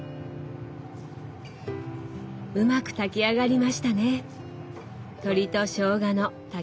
うまく炊き上がりましたね！